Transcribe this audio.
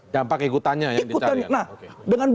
dampak ikutannya yang dicarikan